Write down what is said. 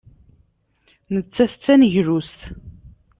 Nettat d taneglust.